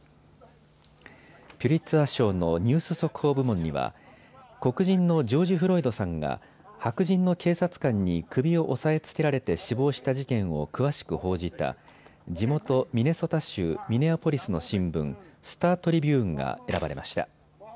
ピュリツァー賞のニュース速報部門には黒人のジョージ・フロイドさんが白人の警察官に首を押さえつけられて死亡した事件を詳しく報じた地元ミネソタ州ミネアポリスの新聞、スター・トリビューンが選ばれました。